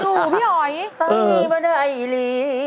สังบดหาหิอิลิ